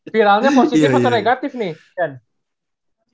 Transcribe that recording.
viralnya positif atau negatif nih